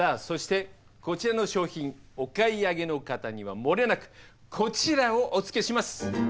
そしてこちらの商品お買い上げの方にはもれなくこちらをおつけします。